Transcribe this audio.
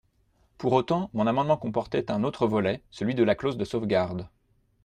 Pour autant, mon amendement comportait un autre volet, celui de la clause de sauvegarde.